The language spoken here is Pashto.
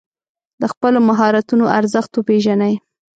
د خپلو مهارتونو ارزښت وپېژنئ.